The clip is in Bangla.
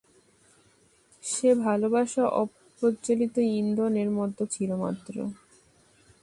সে ভালোবাসা অপ্রজ্জ্বলিত ইন্ধনের মতো ছিল মাত্র।